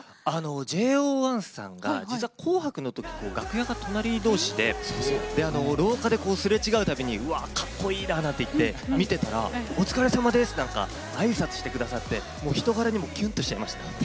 ＪＯ１さんが実は「紅白」のとき楽屋が隣同士で廊下で、すれ違うたびにうわー、かっこいいななんて見てたら「お疲れさまです！」ってあいさつしてくださって人柄にもキュンとしちゃいました。